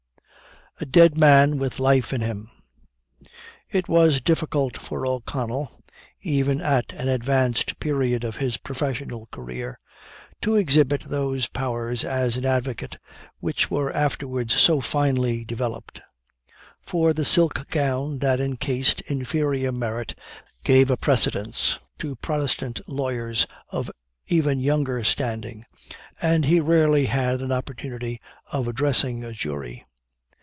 A DEAD MAN WITH LIFE IN HIM. It was difficult for O'Connell, even at an advanced period of his professional career, to exhibit those powers as an advocate, which were afterwards so finely developed; for the silk gown that encased inferior merit gave a precedence to Protestant lawyers of even younger standing, and he rarely had an opportunity of addressing a jury.